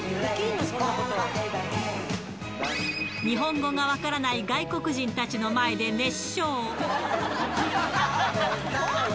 日本語が分からない外国人たちの前で熱唱。